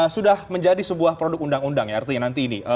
sudah menjadi sebuah produk undang undang ya artinya nanti ini